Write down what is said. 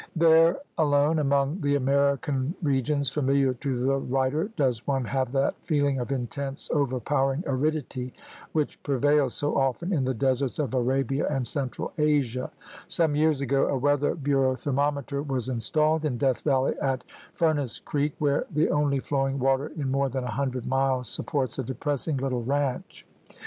There alone among the American regions familiar to the writer does one have that feeling of intense, overpowering aridity which prevails so often in the deserts of Arabia and Central Asia, Some years ago a Weather Bureau thermometer was installed in Death Valley at Fur nace Creek, where the only flowing water in more than a hundred miles supports a depressing little ranch.